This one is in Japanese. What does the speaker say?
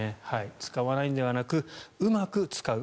使わないのではなくうまく使う。